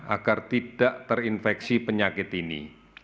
agar tidak terinfeksi penyakit ini